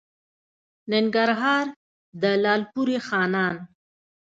ننګرهار؛ د لالپورې خانان